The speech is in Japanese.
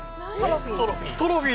トロフィー。